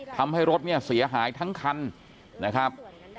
ทำให้รถเนี่ยเสียหายทั้งคันนะครับ